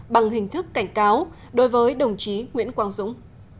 bằng hình thức cảnh cáo đối với đồng chí nguyễn quang dũng